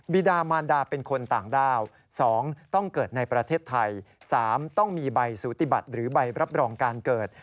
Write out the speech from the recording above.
ดามานดาเป็นคนต่างด้าว๒ต้องเกิดในประเทศไทย๓ต้องมีใบสูติบัติหรือใบรับรองการเกิด